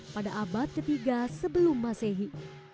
pada abad ketiga sebelum masehi